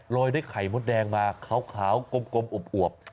รอยด้วยไขมธรรมดแดงมาขาวกรบอบ